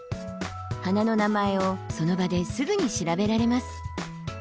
花の名前をその場ですぐに調べられます。